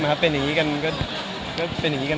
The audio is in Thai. ไม่หรอกครับพี่ก็เป็นเดิมหนะ